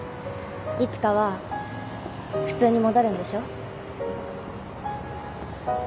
いつかは普通に戻るんでしょ？